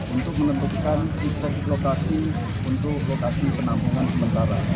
untuk menentukan titik lokasi untuk lokasi penampungan sementara